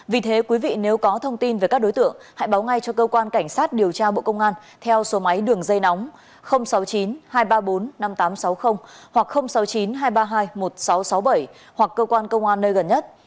vì thế quý vị nếu có thông tin về các đối tượng hãy báo ngay cho cơ quan cảnh sát điều tra bộ công an theo số máy đường dây nóng sáu mươi chín hai trăm ba mươi bốn năm nghìn tám trăm sáu mươi hoặc sáu mươi chín hai trăm ba mươi hai một nghìn sáu trăm sáu mươi bảy hoặc cơ quan công an nơi gần nhất